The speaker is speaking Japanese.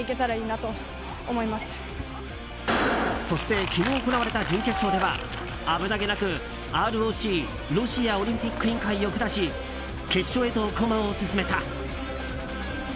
そして昨日行われた準決勝では危なげなくＲＯＣ・ロシアオリンピック委員会を下し決勝へと駒を進めた。